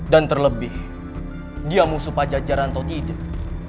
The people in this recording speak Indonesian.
dan terlebih dia musuh pajajara atau tidak